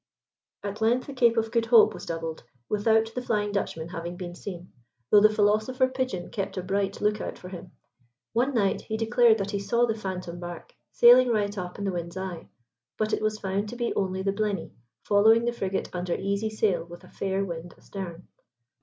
At length the Cape of Good Hope was doubled without the Flying Dutchman having been seen, though the philosopher Pigeon kept a bright lookout for him. One night he declared that he saw the phantom bark sailing right up in the wind's eye, but it was found to be only the Blenny following the frigate under easy sail with a fair wind astern.